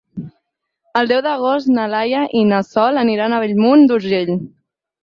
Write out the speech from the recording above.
El deu d'agost na Laia i na Sol aniran a Bellmunt d'Urgell.